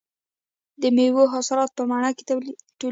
د میوو حاصلات په مني کې ټولېږي.